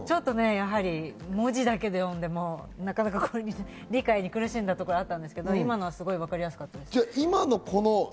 文字だけで読んでも理解に苦しんだところがあったんですけど、今のわかりやすかったです。